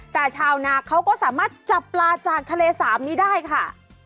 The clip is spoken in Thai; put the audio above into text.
แต่ชาวนาเขาก็สามารถจับปลาจากทะเลสามนี้ได้ค่ะ